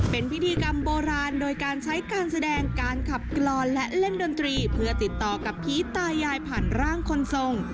เป็นพิธีกรรมโบราณโดยการใช้การแสดงการขับกรอนและเล่นดนตรีเพื่อติดต่อกับผีตายายผ่านร่างคนทรง